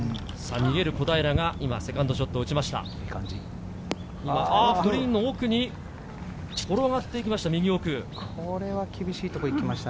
逃げる小平、セカンドショットを打ちました。